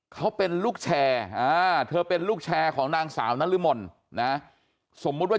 เขาเป็นลูกแชร์เธอเป็นลูกแชร์ของนางสาวนรมนนะสมมุติว่า